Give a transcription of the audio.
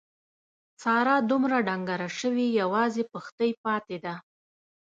ساره دومره ډنګره شوې یوازې پښتۍ پاتې ده.